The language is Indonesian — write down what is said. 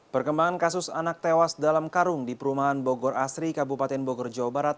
perkembangan kasus anak tewas dalam karung di perumahan bogor asri kabupaten bogor jawa barat